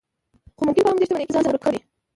خو ممکن په همدې شتمنۍ کې ځان ورک کړئ.